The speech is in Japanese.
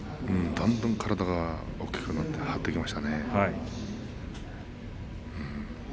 だんだんだんだん体が大きくなって張ってきましたね。